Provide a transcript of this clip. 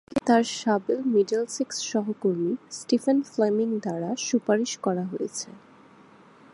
তাকে তার সাবেক মিডলসেক্স সহকর্মী স্টিফেন ফ্লেমিং দ্বারা সুপারিশ করা হয়েছিল।